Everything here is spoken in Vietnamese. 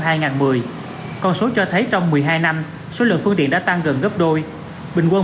con số cho thấy trong một mươi hai năm số lượng phương tiện đã tăng gần gấp đôi bình quân